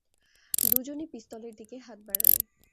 দুজনই পিস্তলের দিকে হাত বাড়ালে।